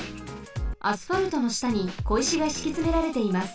アスファルトのしたにこいしがしきつめられています。